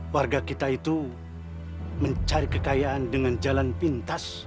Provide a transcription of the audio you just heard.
warga kita itu mencari kekayaan dengan jalan pintas